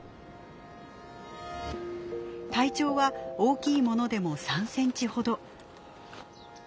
体長は大きいものでも３センチほど。